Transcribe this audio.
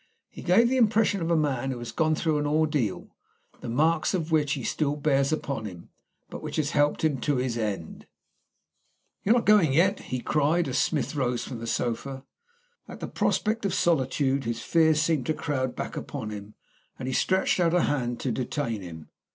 He gave the impression of a man who has gone through an ordeal, the marks of which he still bears upon him, but which has helped him to his end. "You're not going yet?" he cried, as Smith rose from the sofa. At the prospect of solitude, his fears seemed to crowd back upon him, and he stretched out a hand to detain him.